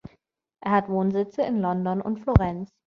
Er hat Wohnsitze in London und Florenz.